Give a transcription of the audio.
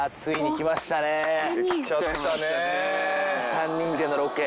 ３人でのロケ。